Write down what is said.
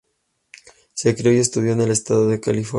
Se crio y estudió en el estado de California.